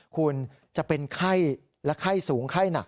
คุณจะเป็นไข้และไข้สูงไข้หนัก